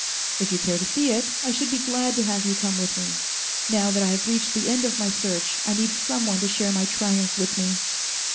"If you care to see it, I should be glad to have you come with me. Now that I have reached the end of my search, I need someone to share my triumph with me."